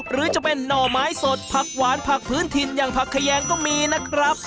หรือจะเป็นหน่อไม้สดผักหวานผักพื้นถิ่นอย่างผักแขยงก็มีนะครับ